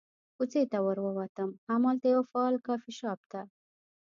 کوڅې ته ور ووتم، همالته یوه فعال کافي شاپ ته.